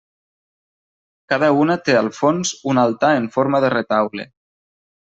Cada una té al fons un altar en forma de retaule.